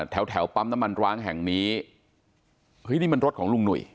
แถวปั๊มน้ำมันร้างแห่งนี้เฮ้ยนี่มันรถของลุงหนุ่ย